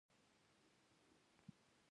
انسانان کار کوي او په ګډه تولیدات کوي.